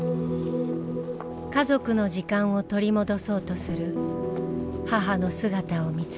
家族の時間を取り戻そうとする母の姿を見つめました。